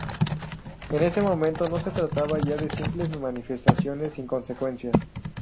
En ese momento no se trataba ya de simples manifestaciones sin consecuencias.